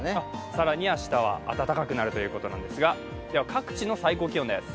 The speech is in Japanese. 更に明日は温かくなるということですが、各地の最高気温です。